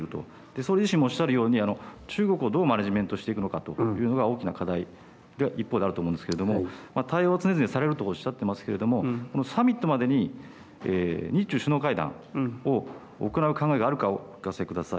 総理自身もおっしゃるように中国をどうマネジメントしていくのかというのが大きな課題一方であると思うんですけれども対応を常々されるとおっしゃっていますけれどもサミットまでに日中首脳会談を行う考えがあるかをお聞かせください。